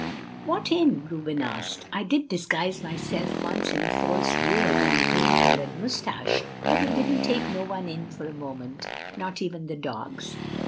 "What in?" Reuben asked. "I did disguise myself once in a false beard and a green colored mustache, but it didn't take no one in for a moment, not even the dogs."